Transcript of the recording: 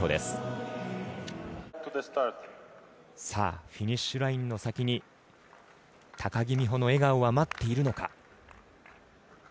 さあフィニッシュラインの先に高木美帆の笑顔は待っているのか。